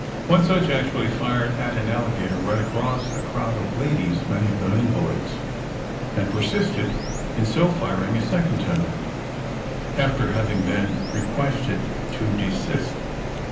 One such actually fired at an alligator right across a crowd of ladies, many of them invalids; and persisted in so firing a second time, after having been requested to desist.